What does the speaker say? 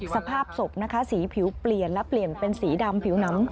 สภาพศพนะคะสีผิวเปลี่ยนและเปลี่ยนเป็นสีดำผิวน้ำ